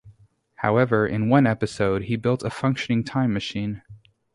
However, in one episode, he built a functioning time machine.